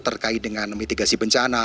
terkait dengan mitigasi bencana